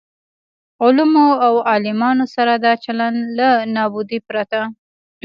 علومو او عالمانو سره دا چلن له نابودۍ پرته.